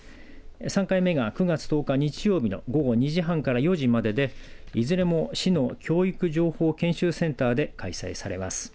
３回目が９月１０日日曜日の午後２時半から４時まででいずれも市の教育情報研修センターで開催されます。